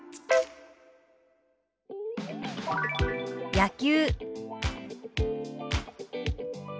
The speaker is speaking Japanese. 「野球」。